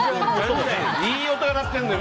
いい音、鳴ってるんだよ